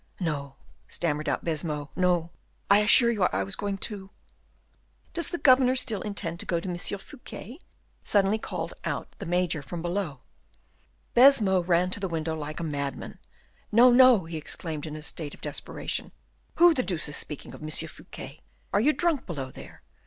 "No," stammered out Baisemeaux, "no! I assure you I was going to " "Does the governor still intend to go to M. Fouquet?" suddenly called out the major from below. Baisemeaux ran to the window like a madman. "No, no," he exclaimed in a state of desperation, "who the deuce is speaking of M. Fouquet? are you drunk below there?